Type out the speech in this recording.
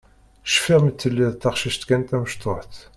Cfiɣ mi telliḍ d taqcict kan tamecṭuḥt.